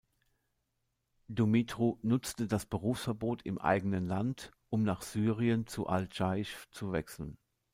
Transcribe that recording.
Dumitru nutzte das Berufsverbot im eigenen Land, um nach Syrien zu Al-Dschaisch zu wechseln.